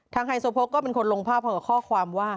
ไฮโซโพกก็เป็นคนลงภาพกับข้อความว่า